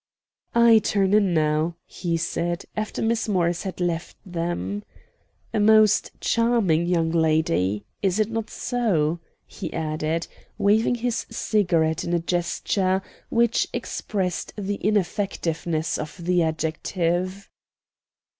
"I turn in now," he said, after Miss Morris had left them. "A most charming young lady. Is it not so?" he added, waving his cigarette in a gesture which expressed the ineffectiveness of the adjective.